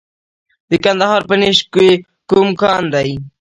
د کندهار په نیش کې کوم کان دی؟